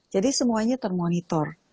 jadi semuanya termonitor